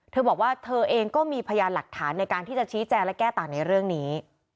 เธอบอกว่าเธอเองก็มีพยานหลักฐานในการที่จะชี้แจงและแก้ต่างในเรื่องนี้